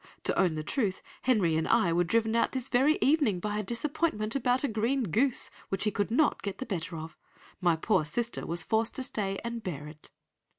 To own the truth, Henry and I were driven out this very evening by a disappointment about a green goose, which he could not get the better of. My poor sister was forced to stay and bear it.